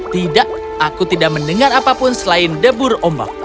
tidak aku tidak mendengar apapun selain debur ombak